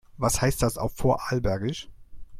Was heißt das auf Vorarlbergisch?